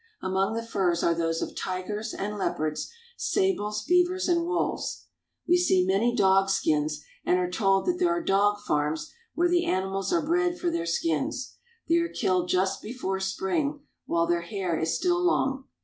Among the furs are those of tigers and leopards, sables, beavers, and wolves. We see many dogskins, and are told that there are dog farms where the animals are bred for their skins. They are killed just before spring, while the hair is still long.